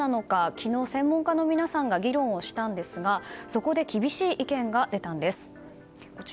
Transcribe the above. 昨日、専門家の皆さんが議論をしたんですがそこで厳しい意見が出たんです。